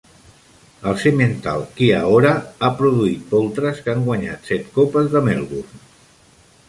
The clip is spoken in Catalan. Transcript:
El semental Kia-Ora ha produït poltres que han guanyat set copes de Melbourne.